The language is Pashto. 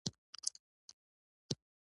د باطل او د حق فرق یې ورته څرګند کړ.